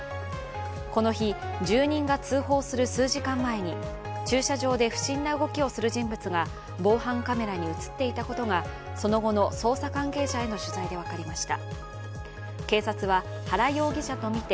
この日、住人が通報する数時間前に駐車場で不審な動きをする人物が防犯カメラに映っていたことがその後の捜査関係者への取材で分かりました。